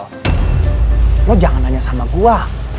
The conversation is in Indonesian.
kamu jangan tanya sama saya